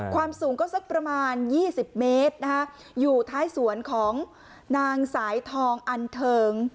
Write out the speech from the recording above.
ความสูงก็สักประมาณ๒๐เมตรนะคะอยู่ท้ายสวนของนางสายทองอันเทิง